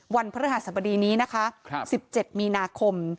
วันพระอาหารสรรพดีนี้นะคะ๑๗มีนาคม